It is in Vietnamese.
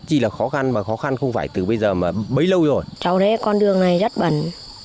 cháu thấy con đường này rất bẩn